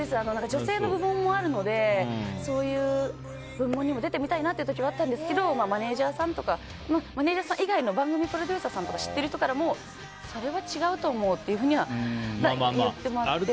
女性の部門もあるのでそういう部門にも出てみたいなという時はあったんですけどマネジャーさんとかマネジャーさん以外の番組プロデューサーさんとか知っている人からもそれは違うと思うというふうに言ってもらって。